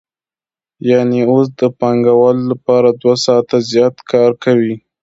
یانې اوس د پانګوال لپاره دوه ساعته زیات کار کوي